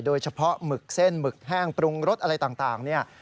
หมึกเส้นหมึกแห้งปรุงรสอะไรต่างเนี่ย